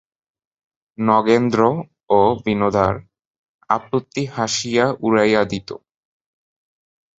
নগেন্দ্র ও বিনোদার আপত্তি হাসিয়া উড়াইয়া দিত।